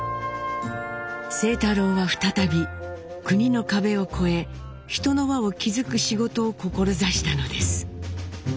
清太郎は再び国の壁を越え人の輪を築く仕事を志したのです。